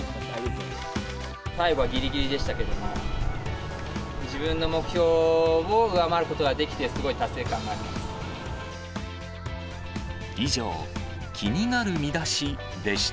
最後はぎりぎりでしたけども、自分の目標を上回ることができて、すごい達成感があります。